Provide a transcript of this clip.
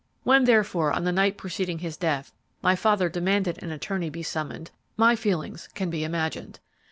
When, therefore, on the night preceding his death, my father demanded that an attorney be summoned, my feelings can be imagined.